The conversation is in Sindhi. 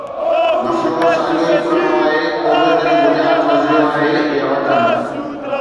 مسئلو ساڳيو ئي پراڻو آهي: قوميت جو بنياد نظريو آهي يا وطن؟